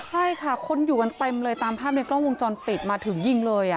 ใช่ค่ะคนอยู่กันเต็มเลยตามภาพในกล้องวงจรปิดมาถึงยิงเลย